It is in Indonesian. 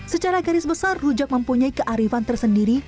secara garis besar rujak mempunyai kearifan tersendiri